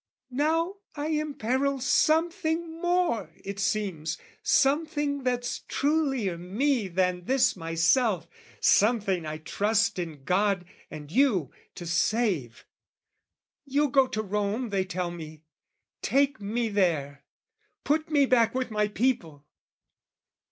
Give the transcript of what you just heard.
"Now I imperil something more, it seems, "Something that's trulier me than this myself, "Something I trust in God and you to save. "You go to Rome, they tell me: take me there, "Put me back with my people!"